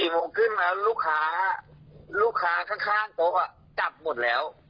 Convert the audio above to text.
โมงครึ่งแล้วลูกค้าลูกค้าข้างโต๊ะจับหมดแล้ว